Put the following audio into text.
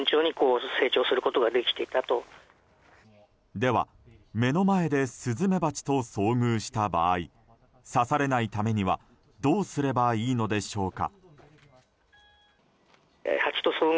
では目の前でスズメバチと遭遇した場合刺されないためにはどうすればいいのでしょうか。